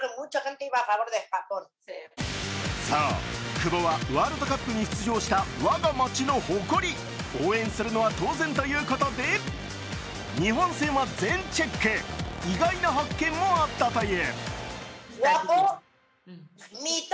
久保はワールドカップに出場した我が街の誇り応援するのは当然ということで日本戦は全チェック、意外な発見もあったという。